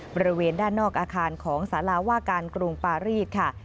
บริเวณด้านนอกอาคารของสาราว่าการกรุงปารีสค่ะ